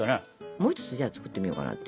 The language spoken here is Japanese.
もう一つじゃあ作ってみようかなって。